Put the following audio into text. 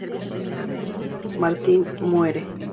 Martin muere.